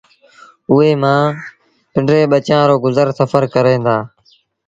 اُئي مآݩ پنڊري ٻچآݩ رو گزر سڦر ڪريݩ دآ